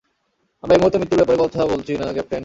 আমরা এই মুহুর্তে মৃত্যুর ব্যাপারে কথা বলছি না, ক্যাপ্টেন।